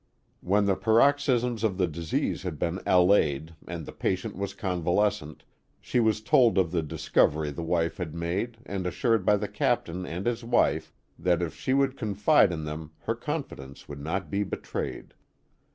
When the paroxysms of the disease had been allayed and the patient was convalescent, she was told of the discovery the wife had made and assured by the captain and his wife that if she would confide in them her confidence would not be betrayed.